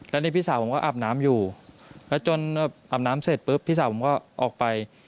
แล้วนี่พี่สาวผมก็อาบน้ำอยู่แล้วจนอาบน้ำเสร็จปุ๊บพี่สาวผมก็ออกไป